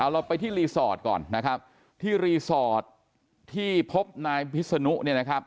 เราไปที่รีสอร์ทก่อนนะครับที่รีสอร์ทที่พบนายพิศนุเนี่ยนะครับ